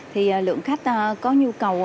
thì lượng khách có nhu cầu